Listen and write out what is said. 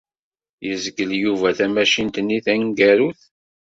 Yezgel Yuba tamacint-nni taneggarut.